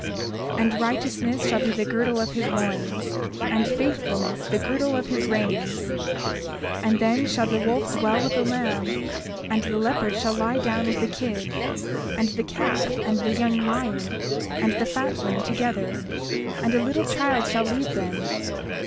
30:11 And righteousness shall be the girdle of his loins, and faithfulness the girdle of his reins. 30:12 And then shall the wolf dwell with the lamb; and the leopard shall lie down with the kid, and the calf, and the young lion, and the fatling, together; and a little child shall lead them.